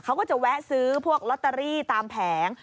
เขาก็จะแวะซื้อพวกลอตเตอรี่ตามแผง